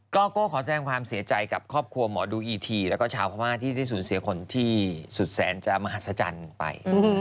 โก้ขอแสดงความเสียใจกับครอบครัวหมอดูอีทีแล้วก็ชาวพม่าที่ได้สูญเสียคนที่สุดแสนจะมหัศจรรย์ไป